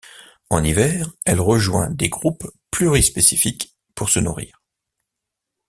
En hiver, elle rejoint des groupes plurispécifiques pour se nourrir.